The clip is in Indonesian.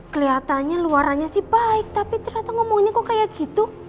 kelihatannya luarannya sih baik tapi ternyata ngomongnya kok kayak gitu